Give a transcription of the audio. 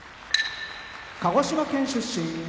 鹿児島県出身